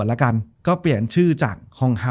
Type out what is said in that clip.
จบการโรงแรมจบการโรงแรม